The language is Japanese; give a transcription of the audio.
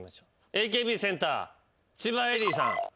ＡＫＢセンター千葉恵里さん。